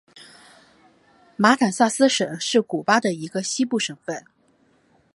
马坦萨斯省是古巴的一个西部省份。